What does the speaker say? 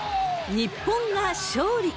日本が勝利。